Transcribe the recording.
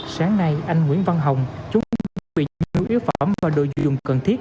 sáng nay anh nguyễn văn hồng chúng tôi bị nhu yếu phẩm và đồ dùng cần thiết